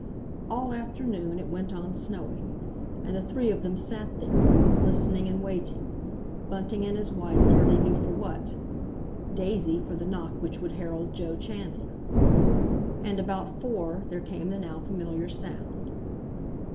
All afternoon it went on snowing; and the three of them sat there, listening and waiting—Bunting and his wife hardly knew for what; Daisy for the knock which would herald Joe Chandler. And about four there came the now familiar sound.